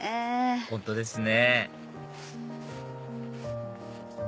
本当ですね